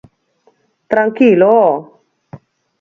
Tranquilo, ho.